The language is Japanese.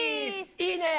いいね。